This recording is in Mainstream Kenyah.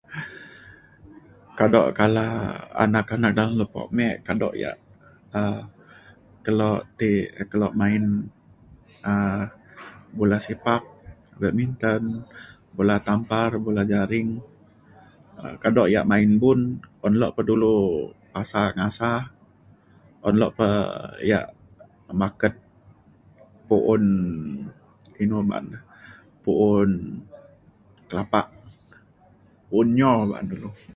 kado kala um anak anak dalem lepo me kado ia' um kelo ti kelo main um bola sepak badminton bola tampar bola jaring um kado ia' main bun un lok pa dulu pasa ngasa un lok pa ia' maket pu'un inu ba'an re pu'un kelapa pu'un nyo ba'an dulu